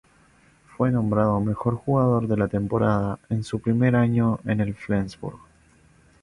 Fue nombrado mejor jugador de la temporada, en su primer año en el Flensburg.